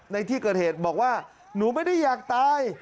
ในที่เกิดเหตุบอกว่าหนูไม่ได้อยากตาย